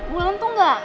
bulan tuh gak